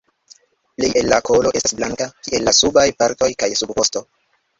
Plej el la kolo estas blanka, kiel la subaj partoj kaj subvosto.